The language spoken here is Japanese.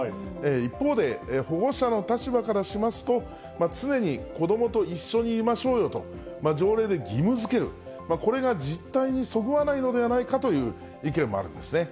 一方で保護者の立場からしますと、常にこどもと一緒にいましょうよと条例で義務づける、これが実態にそぐわないのではないかという意見もあるんですね。